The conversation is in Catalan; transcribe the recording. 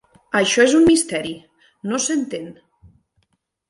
Això és un misteri: no s'entén.